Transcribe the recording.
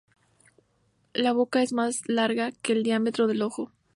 La boca es más larga que el diámetro del ojo.